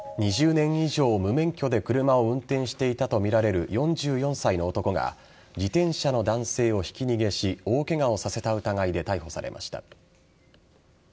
２０年以上、無免許で車を運転していたとみられる４４歳の男が自転車の男性をひき逃げし大ケガをさせた疑いで逮捕されました。